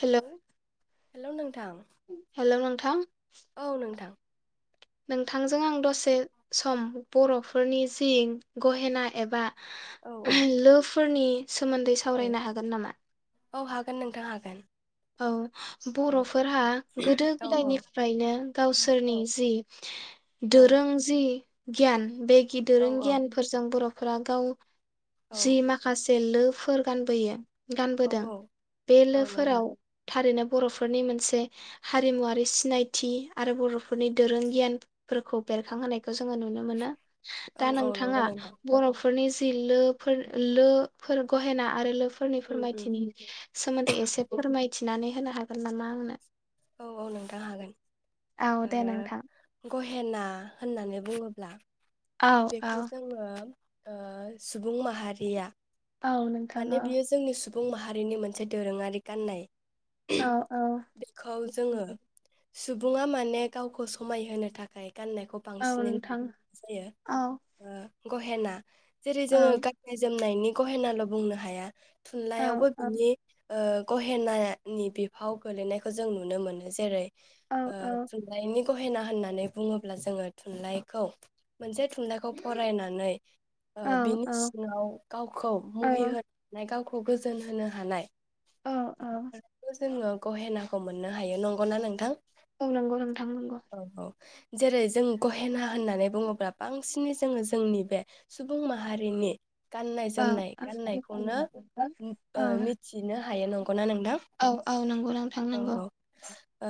Hello hello नों थां hello नोंथां औ नोंथां। नोंथांजों आं दसे सम बर'फोरनि जि गहेना एबा औ औ हेलौ फोरनि सोमोनदै औ सावरायनो हागोन नामा? औ हागोन नोंथां हागोन। औ औ बरफोरहा गोदो औ औ गोदायनिफ्रायनो गावसोरनि औ जि औ दोरों जि गियान बेग औ गिदिरन गियानफोरजों बरफ औ [unintelligible] जि माखासे लोब फोर गानबोयो। गानबोदों औ औ बे औ नोंथां लोफोराव। थारैनो बर'फोरनि मोनसे हारिमुवारि सिनायथि आरो बर'फोरनि दोरों गियानफोरखौ बेरखांहोनायखौ जोङो नुनो मोनो औ दा औ नंगौ नोंथाङा नोंथां बर' फोरनि जि लोफोर लोफोर गहेना आरो लो फोरनि उम उम फोरमायथिनि सोमोन्दै एसे फोरमाय थिनानै होनो हागोन नामा आंनो? औ औ नोंथां हागोन औ ओ। दे नोंथां गहेना होननानै बुङोब्ला औ औ बेखौ जोङो ओ सुबुं माहारिया औ माने नोंथाङा बियो जोंनि सुबुं माहारिनि मोनसे दोरोङारि गाननाय। औ औ बेखौ जोङो सुबुङा माने गावखौ समायहोनो थाखाय गाननायखौ औ बांसिनै नोंथां नुनाय जायो। औ ओ गहेना जेरै औ जोङो गाननाय जोमनायनि गहेनाल' बुंनो हाया औ थुनलाइयावबो बिनि ओ गहेनायानि बिफाव गोलैनायखौ जों नुनो मोनो जेरै औ आ औ थुनलाइनि गहेना होननानै बुङोब्ला जोङो थुनलाइखौ मोनसे थुनलाइखौ फरायनानै ओ औ बिनि सिङाव गावखौ औ मुहि होनानै गाव खौ गोजोन होनो हानाय औ खौ जोङो गहेनाखौ मोननो हायो नंगौना नोंथां औ नंगौ नोंथां नंगौ औ औ जेरै जों गहेना होननानै बुङोब्ला बांसिनै जोङो जोंनि बे सुबुं माहारिनि गाननाय औ जोमनाय गाननायखौनो औ ओ मिथिनो हायो नंगौना नोंथां औ औ नंगौ नोंथां नंगौ औ औ ओ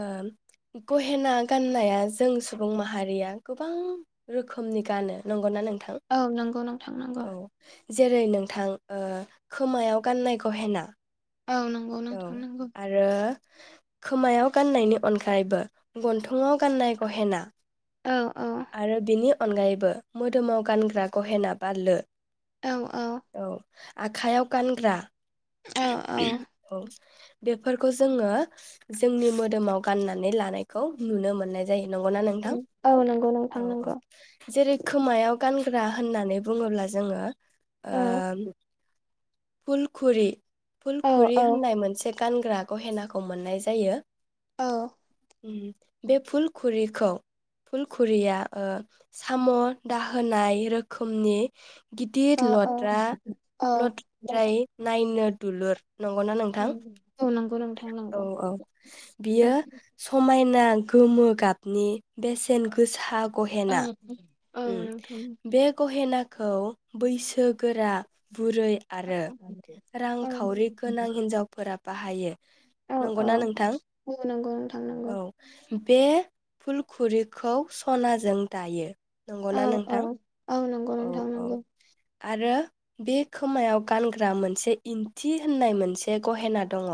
गहेना गाननाया जों सुबुं माहारिया गोबां रोख खोमनि गानो नंगौना नों औ नंगौ नोंथां नंगौ जेरै नोंथां ओ खोमायाव गाननाय गहेना औ नंगौ औ नोंथां नंगौ आरो खोमायाव गाननायनि अनगायैबो गन्थंआव गाननाय गहेना औ औ आरो बेनि अनगायैबो मोदोमाव गानग्रा गहेना बा लो औ औ आखाइयाव गानग्रा औ औ औ बेफोरखौ जोङो जोंनि मोदोमाव गाननानै लानायखौ नुनो मोननाय जायो नंगौना नोंथां औ नंगौ नोंथां औ औ नंगौ जेरै खोमायाव गानग्रा होननानै बुङोब्ला जोङो ओ फुलखुरि औ खुरि औ होननाय मोनसे गानग्रा गहेनाखौ मोननाय जायो औ बे फुलखुरिखौ फुलखुरिया ओ साम' दाहोनाय रोखोमनि गिदिर ओ औ लद्रा लद्राय नायनो दुलुर नंगौना नोंथां औ नंगौ नोंथां औ नंगौ औ बियो समायन ना गोमो गाबनि बेसेन गोसा औ। उ नोंथां बे गहेनाखौ बैसोगोरा। बुरै आरो औ रांखावरि गोनां हिनजावफोरा। बाहायो। औ औ नंगौना नोंथां औ नंगौ नोंथां नंगौ औ। बे फुलखुरिखौ सनाजों दायो। औ नंगौना औ नोंथां। औ नंगौ औ नोंथां औ। नंगौ आरो बे खोमायाव गानग्रा मोनसे इन्थि होननाय मोनसे गहेना दङ।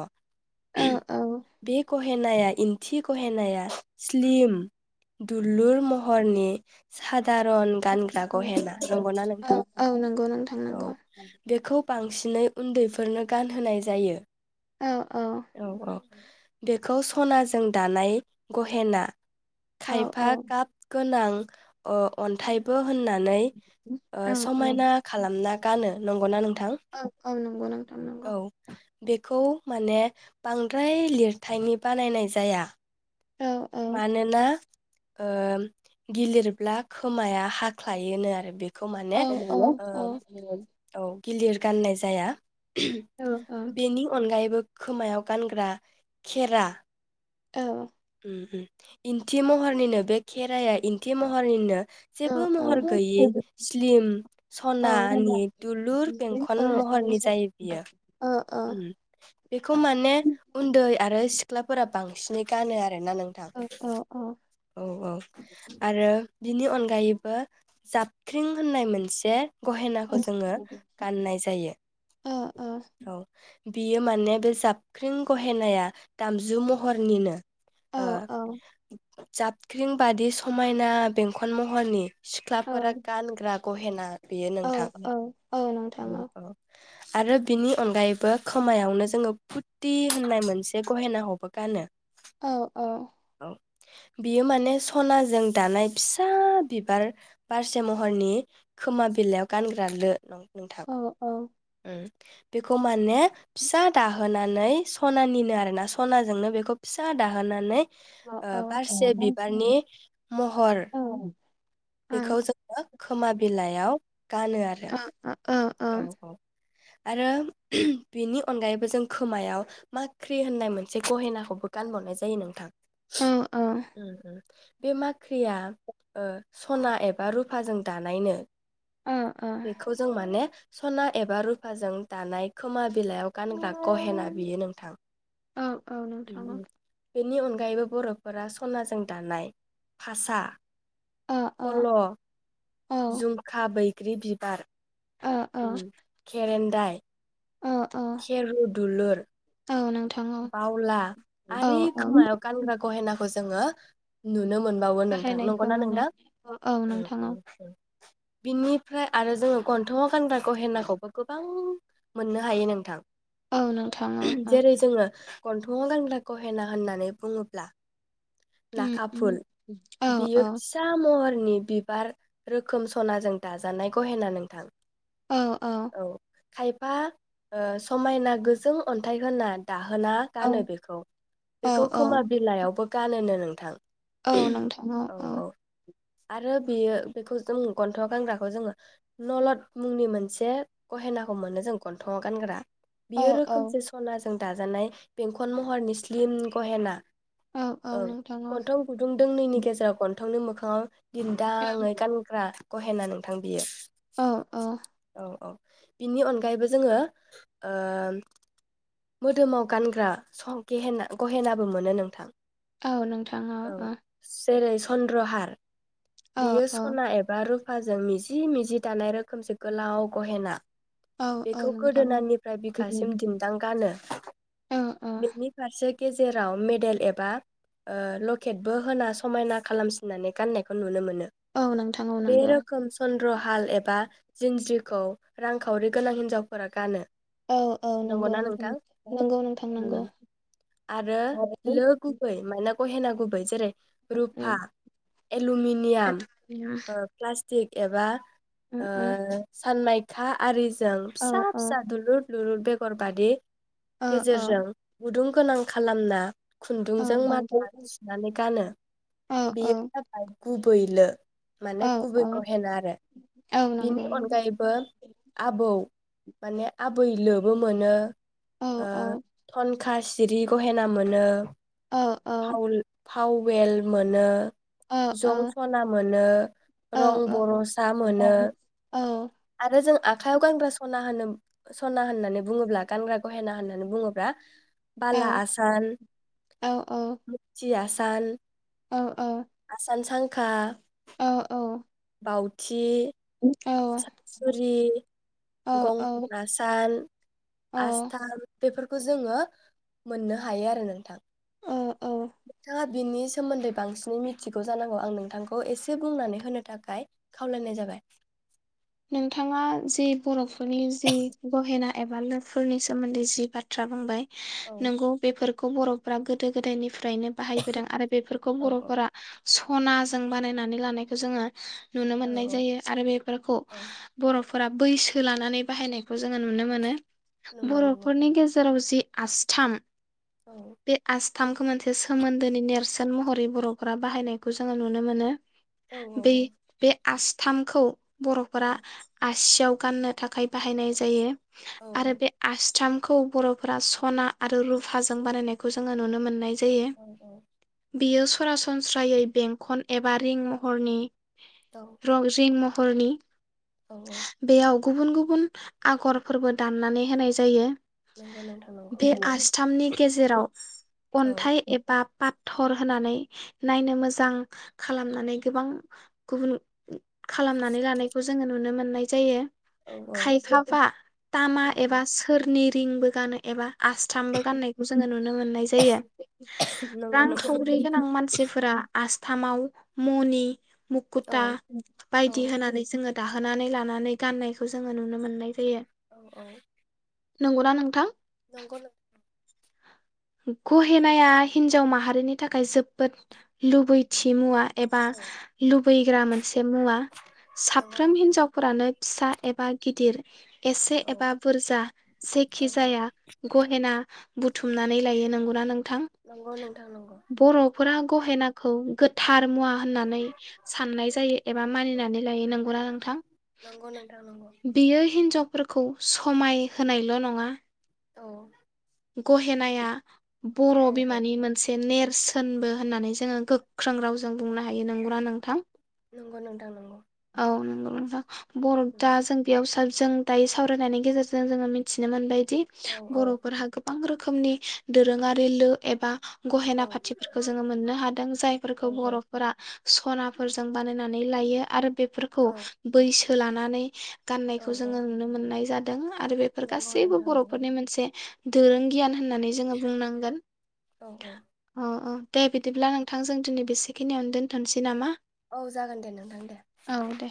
औ औ बे गहेनाया इन्थि गहेनाया स्लिम दुलुर महरनि [unintelligible] दारन गानग्रा। औ गहेना नंगौना नोंथां औ नंगौ नोंथां औ नंगौ बेखौ। बांसिनै उन्दैफोरनो गानहोनाय जायो। औ औ। बेखौ सनाजों दानाय गहेना। औ खायफा गाब गोनां। ओ अन्थाइबो। होननानै ओ औ समायना खालामना गानो। नंगौ ना नों औ औ नंगौ नोंथां नंगौ। बेखौ माने बांद्राय लिरथायनि बानायनाय जाया। औ औ मानोना। ओम गिलिरब्ला खोमाया हाख्लायोनो आरो बे। खौ औ माने औ औ ओम औ। गिलिर गाननाय जाया। बेनि अनगायैबो। खोमायाव गानग्रा खेरा। औ। उम इन्थि महरनिनो बे खेराइाया इन्थि महरनिनो। औ जेबो महर औ औ गैयि स्लिम सनानि दुलुर बेंखन महरनि जायो बियो। बेखौ माने उन्दै आरो सिख्लाफोरा बांसिनै गानो आरो आरो ना नोंथां औ औ आरो बिनि अनगायैबो जाबख्रिं होननाय मोनसे गहेनाखौ जोङो गाननाय जायो बियो माने बे जाबख्रिं गहेनाया दामजु महरनिनो ओ जाबख्रिं बादि समायना बेंखन महरनि। सिख्लाफोरा गानग्रा गहेना औ औ औ औ आरो बिनि अनगायैबो खोमायावनो जोङो फुथि होननाय मोनसे गहेनाखौबो गानो। औ औ औ बियो माने सनाजों दानाय फिसा बिबार बारसे महरनि खोमा बिलाइयाव गानग्रा लो नं औ औ ओम बेखौ माने फिसा दाहोनानै सनानिनो आरोना सनाजोंनो बेखौ फिसा दाहोनानै औ ओ बारसे बिबारनि महर औ बेखौ आ जोङो खोमा बिलाइयाव गानो आरो आ आ आ आ औ औ। आरो बिनि अनगायैबो जों खोमायाव माख्रि होननाय मोनसे गहेनाखौबो गानबावनाय जायो नोंथां। आ उम उम। बे माख्रिया ओ सना एबा रुफाजों दानाय नो। आ आ बेखौ जों माने सना एबा रुफाजों दानाय खोमा बिलाइयाव गानग्रा गहेना बियो नोंथां। औ औ नोंथां औ बेनि अनगायैबो बर'फोरा सनाजों दानाय फासा आ आ फल' औ झुमखा बै ग्रि बिबार आ आ दाइ आ आ खेरुद दुलुर औ नोंथां औ बावला औ आरि औ खोमायाव गानग्रा गहेना खौ जोङो नुनो मोनबावो नोंथां बाहायनायखौ नंगौना नुनो नोंथां? मोनो औ औ नोंथां औ बिनिफ्राय आरो जोङो गन्थङाव गानग्राखौ गहेनाखौबो गोबां मोननो हायो नोंथां। औ नोंथां औ औ। गन्थङाव गानग्रा गहेना होननानै बुङोब्ला उम नाखा उम फुल औ औ बियो फिसा महर नि बिबार रोखोम सनाजों दाजानाय गहेना नोंथां। औ औ। खायफा ओ समायना गोजों अन्थाइ होना दाहोना औ गानो बेखौ। औ बेखौ औ खोमा बिलाइआवबो गानो नो नोंथां औ नोंथां औ औ। आरो बेयो बेखौ जों गन्थङाव गानग्राखौ जोङो नलद मुंनि मोनसे गहेनाखौ मोनो जों गन्थङाव गानग्रा। बियो औ रोखोमसे सना जों दाजानाय बेंखन महरनि स्लिम गहेना। औ गन्थं गुदुं दोंनैनि गेजेराव गन्थंनि मोखाङाव औ दिन्दाङै गानग्रा गहेना नोंथां बियो। औ औ। औ औ बिनि अनगायैबो जोङो ओ मोदोमाव गानग्रा सह गहेेना गहेनाबो मोनो नोंथां। औ नोंथां औ औ। जेरै चन्द्रहार। बियो सना औ एबा रुप पाजों मिजि मिजि दानाय रोखोमसे गोलाव गहेना। औ औ बेखौ नोंथां औ गोदोनानिफ्राय बिखासिम दिन्दां [unintelligible] औ औ बेनि फार से गेजेराव मेडेल एबा ओ लकेटबो होना समायना खालामसिननानै गाननायखौ नुनो मोनो। औ नोंथां औ नंगौ। रहाल एबा जिनज्रिखौ रांखावरि गोनां हिन्जावफोरा गानो। औ औ नंगौ नोंथां। थां नंगौ नोंथां नंगौ आरो उम लो गुबै मा अहेना गुबै जेरै रुफा एलमिनियाम ओ प्लास [unintelligible] एबा ओ साननाय था आरि ओं औ फिसा औ फिसा दुलुर लु बेगर बादि औ औ गेजेरजों गुदुं गोनां खालामना औ खुन्दुंजों नंगौ माला सुनानै गानो औ औ बेयो जाबाय गुबै लो माने गुबै गहेना आरो बिनि अनगायैबो आबौ माने आबै लो बो मोनो ओ औ थन खा सिरि गहेना मोनो औ फावउल फाववेल मोनो औ जं औ सना मोनो औ रं बर'सा औ मोनो औ आरो जों आखायाव गानग्रा सना होनो सना होननानै बुङोब्ला गानग्रा गहेना होननानै बुङोबा औ बाला आसान औ औ मुगथि आस सान औ औ खा औ औ बाउथि आसान सुरि औ गंखन आसान आस्थाम बेफोरखौ जोङो मोननो हायो आरो नोंथां औ नोंथाङा बिनि सोमोन्दै बांसिनै मिथिगौ जानांगौ आं नोंथांखौ एसे बुंनानै होनो थाखाय खावलायनाय जाबाय नोंथाङा जि बर'फोरनि जि गहेना एबा लो फोरनि सोमोन्दै जि बाथ्रा बुंबाय औ नंगौ बेफोरखौ बर' फ्रा गोदो गोदायनि फ्रायनो बाहायबोदों आरो बेफोरखौ औ औ बर'फोरा सनाजों बानायनानै लानायखौ जोङो नुनो औ मोननाय औ जायो आरो बेफोरखौ औ फोरा बैसो लानानै बाहायनायखौ जोङो नुनो मोनो। नंगौ नंगौ बर'फोरनि नोंथां। गेजेराव जि आस्थाम बे आस थामखौ मोनसे सोमोन्दोनि नेर्सोन महरै बर'फोरा बाहायनायखौ जोङो नुनो मोनो। औ बे बे आस्थामखौ ब औ फोरा सियाव गाननो थाखाय बाहायनाय जायो। औ आरो बे आसथाम खौ बर'फोरा सना आरो रुफाजों बानायनायखौ जोङो नुनो मोननाय उम उम बियो सरासनस्रायै बेंकखन एबा रिं महरनि औ रंजिम मह हरनि औ औ गुबुन गुबुन आगरफोरबो दाननानै होनाय जायो नंगौ नोंथां नंगौ बे आसथामनि गेजेराव औ अन्थाइ एबा पाथर होनानै नायनो मोजां खालामनानै गोबां गुबुन खालामनानै लानाय खौ जोङो नुनो मोननाय जायो। औ औ खायफाबा तामा एबा सोरनि रिंबो गानो एबा आसथामबो गाननायखौ जोङो नुनो मोननाय जायो नंगौ नों रांखावरि गोनां मानसिफोरा आस थामाव मनि औ मुुखुथा औ बायदि होनानै जोङो दाहोनानै लानानै गाननायखौ जोङो नुनो मोननाय जायो। औ औ नंगौना नोंथां नंगौ गहेनाया हिन्जाव माहारिनि थाखाय जोबोद लुबैथि मुवा एबा औ लुबैग्रा मोनसे मुवा नंगौ साफ्रोम नोंथां हिन्जावफोरानो फिसा एबा गिदिर [inaudible] एसे औ एबा बुरजा जायखि औ जाया गहेना बुथुम नानै लायो नोंगौ नों थां नंगौ नोंथां नंगौ बर'फोरा गहेनाखौ गोथार मुवा होननानै साननाय जायो एबा मानिनानै लायो नंगौना नोंथां नंगौ नोंथां नंगौ बियो हिनजावफोरखौ खौ समाय होनायल' नङा औ। गहेनाया बर' औ औ बिमानि मोनसे नेरसोन होनबो होननानै जोङो गोख्रों रावजों बुंनो हायो नंगौना नोंथां? नंगौ नोंथां नंगौ। [inaudible] औ बर'फ्रा जों बेयाव साब जों दायो सावरायनायनि गेजेरजों जोङो मिथिनो मोनबाय दि औ बर' गोबां रोखोमनि दोरोङारि लो एबा गहेना औ पाथिफोरखौ जोङो मोननो हादों औ जायफोरखौ औ बर'फोरा सनाफोरजों बानायनानै लायो आरो बेफोरखौ औ बैसो लानानै औ गाननायखौ औ जोङो नुनो मोननाय जा दोंङा आरो बेफोर नंगौ गासैबो नोंथां नंगौ बरफोरनि मोनसे दोरों गियान होननानै जोङो बुंनांगोन औ औ अ अ। दे बिदिब्ला नोंथां जों दिनै बेसेखिनियावनो दोनथनोसै नामा औ जागोन दे नोंथां दे। औ दे।